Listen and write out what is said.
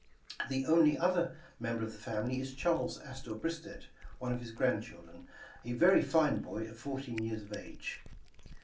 The only other member of the family is Charles Astor Bristed, one of his grandchildren, a very fine boy of fourteen yeai'^ of age.